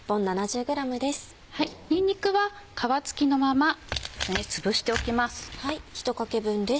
にんにくは皮つきのままつぶしておきます。